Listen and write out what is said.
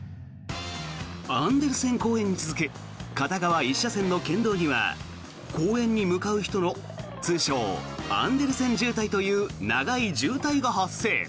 アンデルセン公園に続く片側１車線の県道には公園に向かう人の通称・アンデルセン渋滞という長い渋滞が発生。